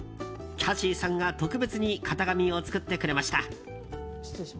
キャシーさんが特別に型紙を作ってくれました。